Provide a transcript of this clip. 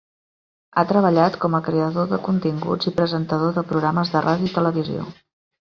Ha treballat com a creador de continguts i presentador de programes de ràdio i televisió.